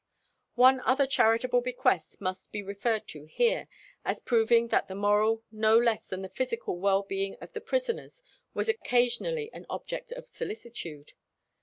One other charitable bequest must be referred to here, as proving that the moral no less than the physical well being of the prisoners was occasionally an object of solicitude.